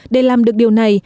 để làm được điều này